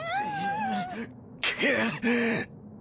くっ！